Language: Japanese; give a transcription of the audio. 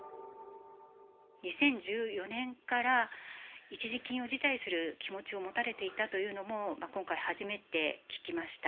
２０１４年から一時金を辞退する気持ちを持たれていたというのも、今回、初めて聞きました。